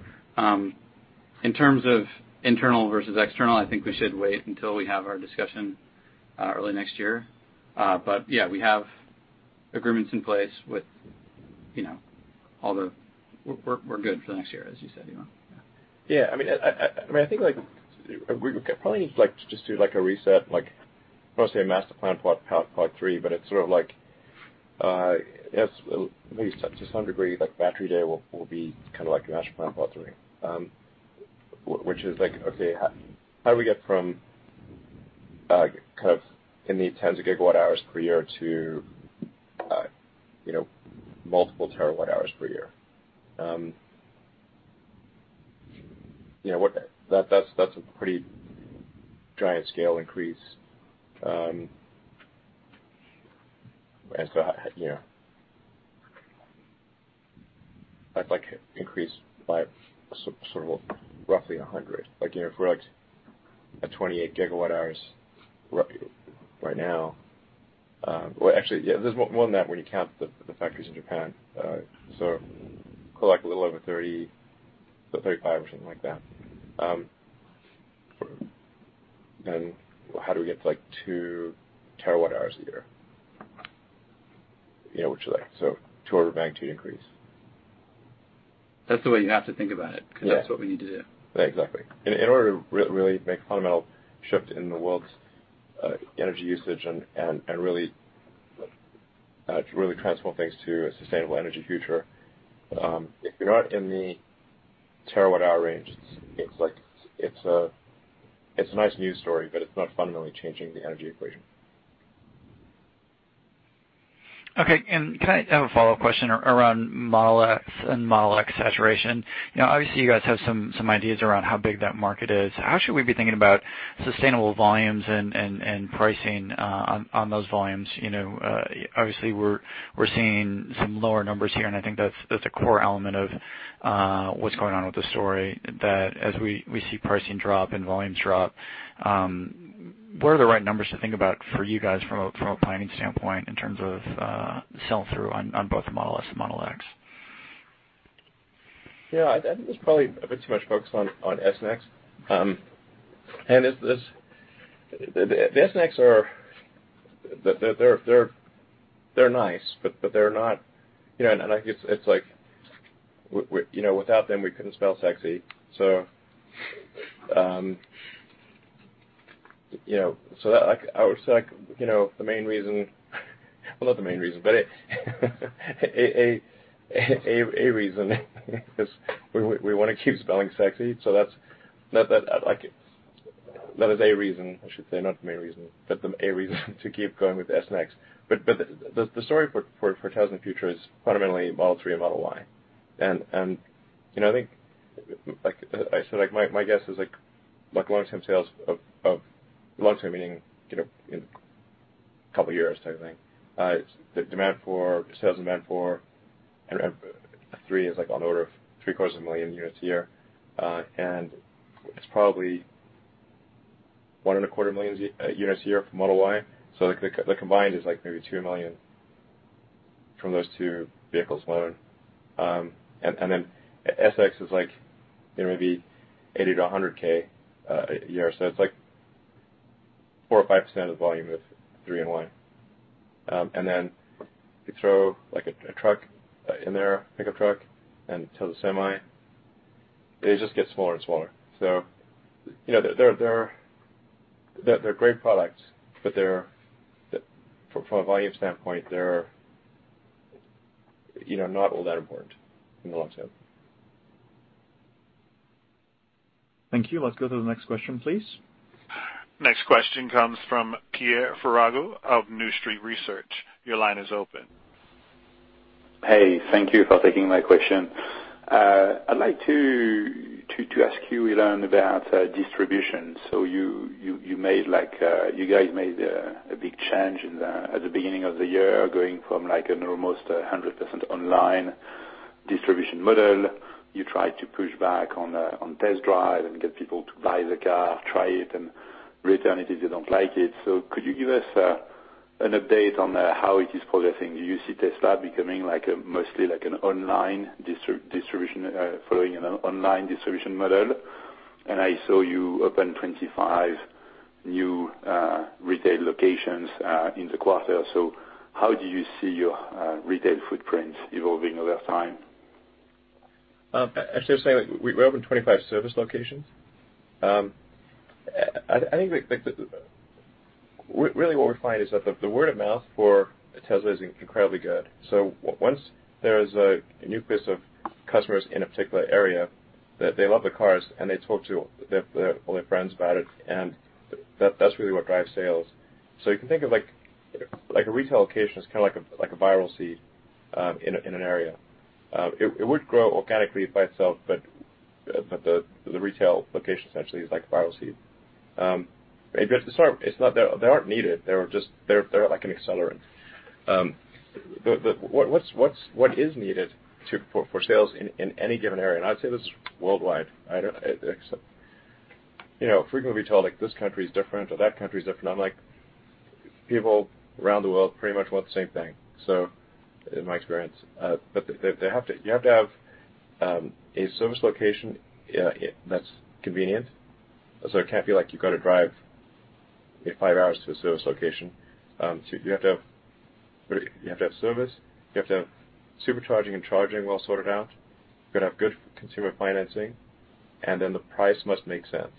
In terms of internal versus external, I think we should wait until we have our discussion early next year. Yeah, we have agreements in place. We're good for the next year, as you said, Elon. Yeah. I think we probably need to just do a reset. Mostly a master plan for part three, but it's sort of like, at least to some degree, Battery Day will be kind of like a master plan for part three. Which is like, okay, how do we get from kind of in the tens of gigawatt hours per year to multiple terawatt hours per year? That's a pretty giant scale increase. That's increased by sort of roughly 100. If we're at 28 gigawatt hours right now, well, actually, yeah, there's more than that when you count the factories in Japan. Call it a little over 30 to 35 or something like that. How do we get to two terawatt hours a year? Which is like a two-order of magnitude increase. That's the way you have to think about it. Yeah because that's what we need to do. Yeah, exactly. In order to really make a fundamental shift in the world's energy usage and to really transform things to a sustainable energy future, if you're not in the terawatt-hour range, it's a nice news story, but it's not fundamentally changing the energy equation. Can I have a follow-up question around Model X and Model X saturation? Obviously, you guys have some ideas around how big that market is. How should we be thinking about sustainable volumes and pricing on those volumes? Obviously, we're seeing some lower numbers here, and I think that's a core element of what's going on with the story, that as we see pricing drop and volumes drop, what are the right numbers to think about for you guys from a planning standpoint in terms of sell-through on both Model S and Model X? Yeah, I think there's probably a bit too much focus on S and X. The S and X, they're nice, it's like, without them, we couldn't spell sexy. I would say the main reason well, not the main reason, but a reason is we want to keep spelling sexy. That is a reason, I should say, not the main reason, but a reason to keep going with S and X. The story for Tesla in future is fundamentally Model 3 and Model Y. I think, like I said, my guess is long-term sales of, long-term meaning in a couple of years type of thing, the sales demand for 3 is on the order of three-quarters of a million units a year. It's probably one and a quarter million units a year from Model Y. The combined is maybe 2 million from those two vehicles alone. S, X is maybe 80,000-100,000 a year. It's like 4% or 5% of the volume of 3 and Y. You throw a truck in there, a pickup truck, and tow the Semi, it just gets smaller and smaller. They're great products, but from a volume standpoint, they're not all that important in the long term. Thank you. Let's go to the next question, please. Next question comes from Pierre Ferragu of New Street Research. Your line is open. Hey, thank you for taking my question. I'd like to ask you, Elon, about distribution. You guys made a big change at the beginning of the year, going from an almost 100% online distribution model. You tried to push back on test drive and get people to buy the car, try it, and return it if they don't like it. Could you give us an update on how it is progressing? Do you see Tesla becoming mostly following an online distribution model? I saw you open 25 new retail locations in the quarter. How do you see your retail footprint evolving over time? Actually, I was saying we opened 25 service locations. I think really what we're finding is that the word of mouth for Tesla is incredibly good. Once there is a new base of customers in a particular area, they love the cars, and they talk to all their friends about it, and that's really what drives sales. You can think of a retail location as kind of like a viral seed in an area. It would grow organically by itself, the retail location essentially is like a viral seed. They aren't needed. They're like an accelerant. What is needed for sales in any given area, and I would say this worldwide, Frequently we're told this country is different or that country is different. I'm like, people around the world pretty much want the same thing, so in my experience. You have to have a service location that's convenient. It can't be like you've got to drive five hours to a service location. You have to have service, you have to have Supercharging and charging well sorted out. You got to have good consumer financing, then the price must make sense.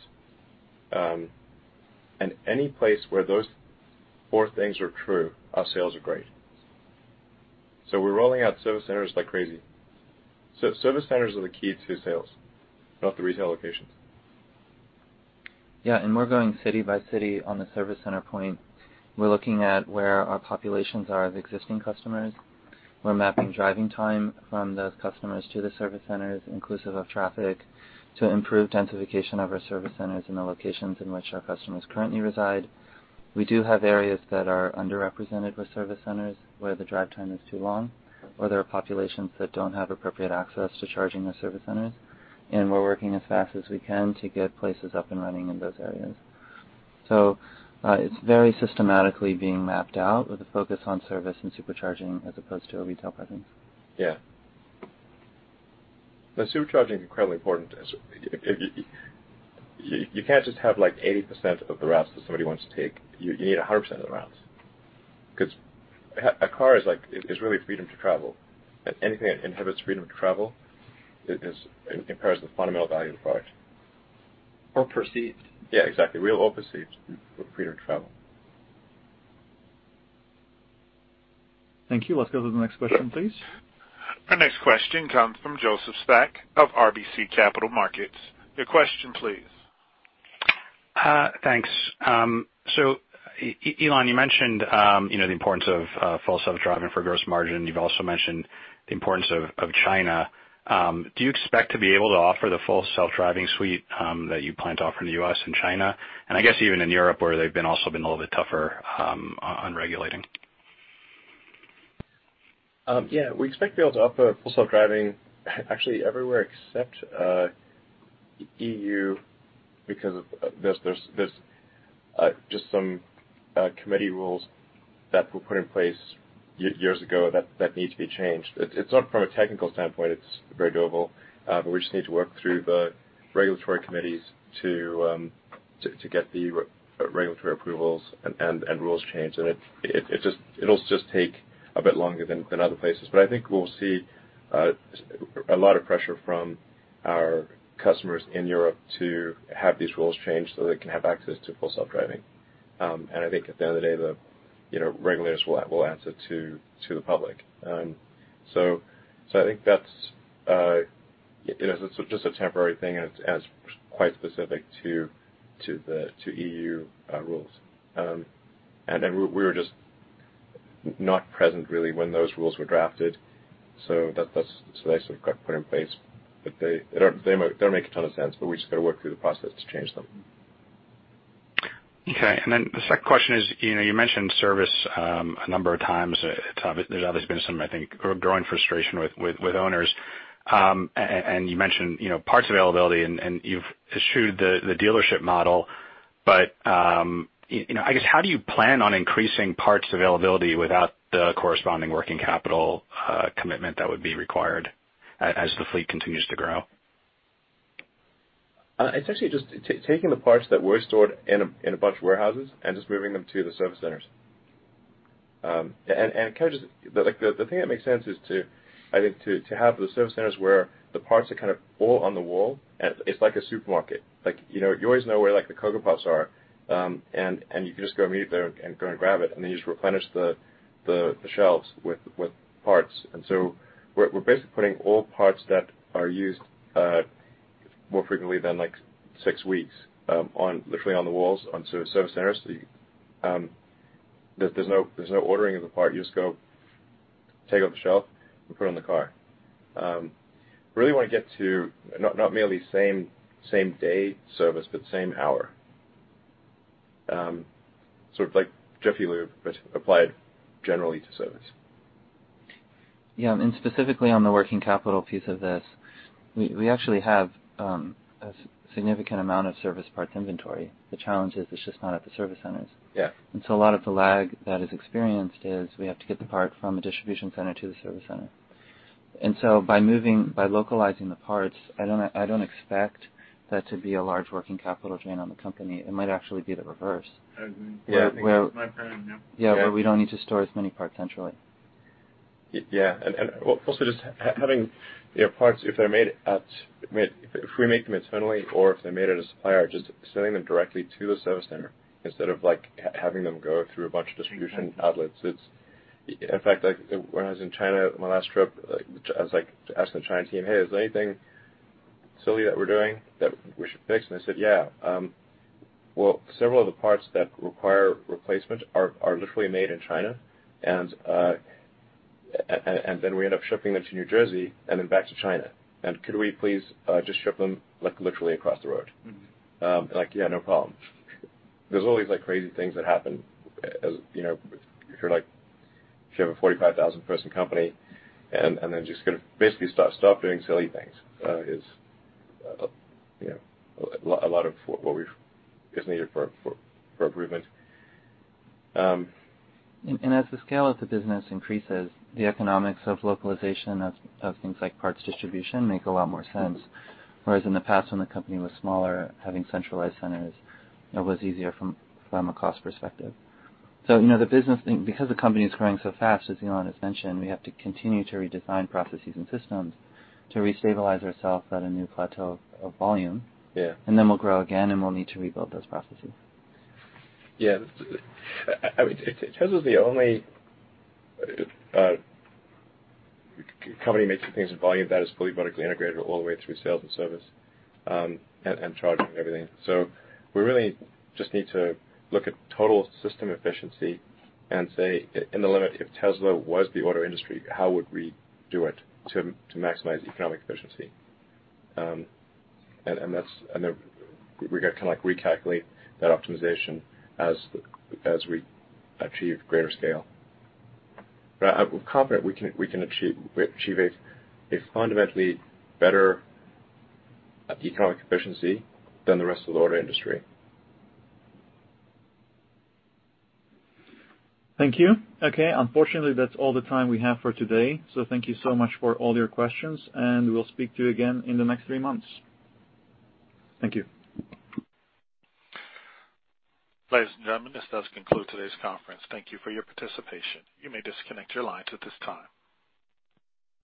Any place where those four things are true, our sales are great. We're rolling out service centers like crazy. Service centers are the key to sales, not the retail locations. Yeah. We're going city by city on the service center point. We're looking at where our populations are of existing customers. We're mapping driving time from those customers to the service centers, inclusive of traffic, to improve densification of our service centers in the locations in which our customers currently reside. We do have areas that are underrepresented with service centers, where the drive time is too long, or there are populations that don't have appropriate access to charging the service centers. We're working as fast as we can to get places up and running in those areas. It's very systematically being mapped out with a focus on service and Supercharging as opposed to a retail presence. Yeah. No, Supercharging is incredibly important as you can't just have 80% of the routes that somebody wants to take. You need 100% of the routes. Because a car is really freedom to travel. Anything that inhibits freedom to travel impairs the fundamental value of the product. Perceived. Yeah, exactly. Real or perceived freedom to travel. Thank you. Let's go to the next question, please. Our next question comes from Joseph Spak of RBC Capital Markets. Your question please. Thanks. Elon, you mentioned the importance of Full Self-Driving for gross margin. You've also mentioned the importance of China. Do you expect to be able to offer the Full Self-Driving suite that you plan to offer in the U.S. and China? I guess even in Europe, where they've been also a little bit tougher on regulating. We expect to be able to offer Full Self-Driving actually everywhere except EU because there's just some committee rules that were put in place years ago that need to be changed. It's not from a technical standpoint, it's very doable. We just need to work through the regulatory committees to get the regulatory approvals and rules changed, and it'll just take a bit longer than other places. I think we'll see a lot of pressure from our customers in Europe to have these rules changed so they can have access to Full Self-Driving. I think at the end of the day, the regulators will answer to the public. I think that's just a temporary thing and it's quite specific to EU rules. We were just not present really when those rules were drafted. They sort of got put in place, but they don't make a ton of sense, but we just got to work through the process to change them. Okay. The second question is, you mentioned service a number of times. There's obviously been some, I think, growing frustration with owners. You mentioned parts availability, and you've eschewed the dealership model. I guess how do you plan on increasing parts availability without the corresponding working capital commitment that would be required as the fleet continues to grow? It's actually just taking the parts that were stored in a bunch of warehouses and just moving them to the service centers. The thing that makes sense is to, I think, to have the service centers where the parts are all on the wall and it's like a supermarket. You always know where the Cocoa Puffs are, and you can just go immediately there and go and grab it, and then you just replenish the shelves with parts. We're basically putting all parts that are used more frequently than six weeks literally on the walls onto service centers. There's no ordering of the part. You just go take it off the shelf and put it on the car. Really want to get to not merely same day service, but same hour. Sort of like Just-in-time applied generally to service. Yeah, specifically on the working capital piece of this, we actually have a significant amount of service parts inventory. The challenge is it's just not at the service centers. Yeah. A lot of the lag that is experienced is we have to get the part from a distribution center to the service center. By localizing the parts, I don't expect that to be a large working capital drain on the company. It might actually be the reverse. I agree. That's my feeling, yeah. Yeah. Where we don't need to store as many parts centrally. Yeah. Also just having parts, if we make them internally or if they're made at a supplier, just sending them directly to the service center instead of having them go through a bunch of distribution outlets. In fact, when I was in China on my last trip, I was asking the China team, "Hey, is there anything silly that we're doing that we should fix?" They said, "Yeah. Well, several of the parts that require replacement are literally made in China. Then we end up shipping them to New Jersey then back to China. Could we please just ship them literally across the road?" Like, yeah, no problem. There's always crazy things that happen if you have a 45,000-person company, then just going to basically stop doing silly things is a lot of what is needed for improvement. As the scale of the business increases, the economics of localization of things like parts distribution make a lot more sense. Whereas in the past when the company was smaller, having centralized centers was easier from a cost perspective. Because the company is growing so fast, as Elon has mentioned, we have to continue to redesign processes and systems to re-stabilize ourself at a new plateau of volume. Yeah. We'll grow again, and we'll need to rebuild those processes. Yeah. Tesla's the only company making things at volume that is fully vertically integrated all the way through sales and service, and charging and everything. We really just need to look at total system efficiency and say, in the limit, if Tesla was the auto industry, how would we do it to maximize economic efficiency? We got to recalculate that optimization as we achieve greater scale. I'm confident we can achieve a fundamentally better economic efficiency than the rest of the auto industry. Thank you. Okay, unfortunately, that's all the time we have for today, so thank you so much for all your questions, and we'll speak to you again in the next three months. Thank you. Ladies and gentlemen, this does conclude today's conference. Thank you for your participation. You may disconnect your lines at this time.